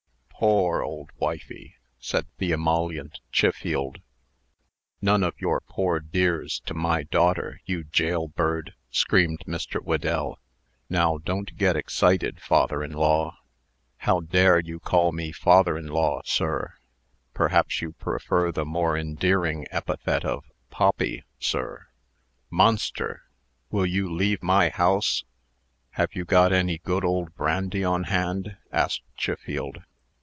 "Poor, dear wifey!" said the emollient Chiffield. "None of your 'poor dears' to my daughter, you jailbird!" screamed Mr. Whedell. "Now, don't get excited, father in law." "How dare you call me father in law, sir!" "Perhaps you prefer the more endearing epithet of 'poppy,' sir?" "Monster! will you leave my house?" "Have you any good old brandy on hand?" asked Chiffield.